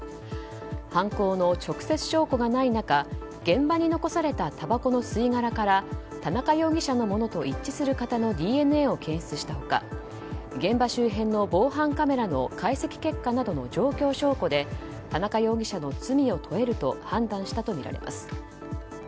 犯行の直接証拠がない中現場に残されたたばこの吸い殻から田中容疑者のものと一致するＤＮＡを検出した他現場周辺の防犯カメラの解析結果などの状況証拠で田中容疑者の罪を問えると判断したとみられます。